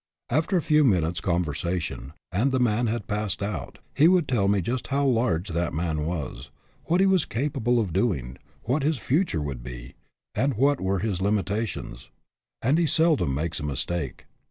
After a few minutes' conversation, and the man had passed out, he would tell me just how large that man was, what he was capable of doing, what his future would be, and what were his limitations. And he seldom makes a mistake.